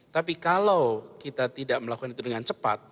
tapi kalau kita tidak melakukan itu dengan cepat